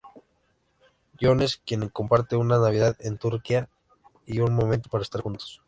Jones, quienes comparten una Navidad en Turquía y un momento para estar juntos.